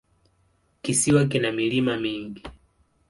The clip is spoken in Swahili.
Kisiwa kina milima mingi.